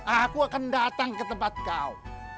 aku akan datang ke tempat kau